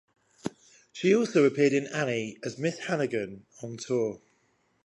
She also appeared in "Annie" as Miss Hannigan on tour.